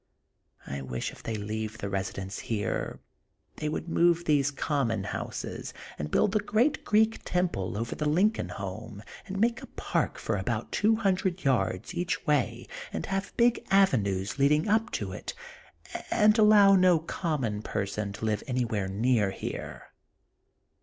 I wish if they leave the residence here they THE GOLDEN BOOK OF SPRINGFIELD 185 would move these common houses and build a great Greek Temple over the Lincoln home, and make a park for about two hundred yards each way and have big avenues leading up to it and allow no common person to live anywhere near here.